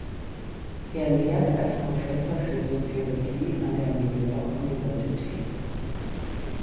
Er lehrt als Professor für Soziologie an der New York University.